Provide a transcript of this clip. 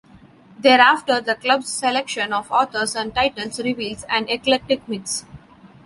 Thereafter the Club's selection of authors and titles reveals an eclectic mix.